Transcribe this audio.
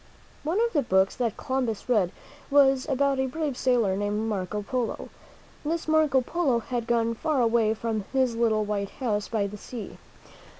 One of the books that Columbus read was about a brave sailor named Marco Polo. This Marco Polo had gone far away from his little white house by the sea.